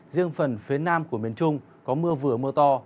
riêng phần phía nam của miền trung có mưa vừa mưa to